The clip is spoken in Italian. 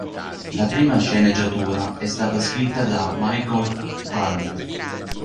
La prima sceneggiatura è stata scritta da Michael Arndt.